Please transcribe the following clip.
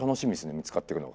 見つかってくるのか。